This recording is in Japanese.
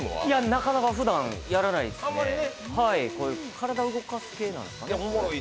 なかなかふだん、やらないですね。